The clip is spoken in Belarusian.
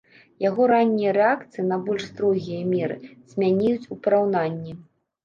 Яго раннія рэакцыі на больш строгія меры цьмянеюць ў параўнанні.